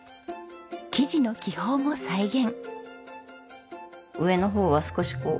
生地の気泡も再現。